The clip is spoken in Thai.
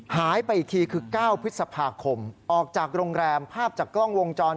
หายไปอีกทีคือ๙พฤษภาคมออกจากโรงแรมภาพจากกล้องวงจร